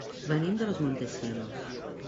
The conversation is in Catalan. Venim de Los Montesinos.